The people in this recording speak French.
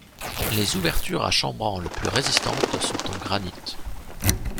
Les ouvertures à chambranles plus résistantes sont en granit.